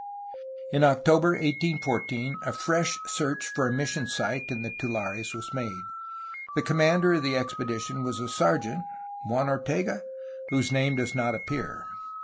In October 1814 a fresh search for a mission site in the tulares was made. The commander of the expedition was a sergeant (Juan Ortega?) whose name does not appear.